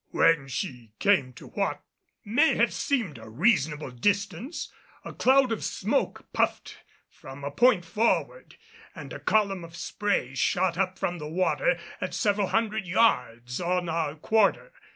When she came to what may have seemed a reasonable distance, a cloud of smoke puffed from a point forward and a column of spray shot up from the water at several hundred yards on our quarter.